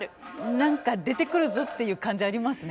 何か出てくるぞっていう感じありますね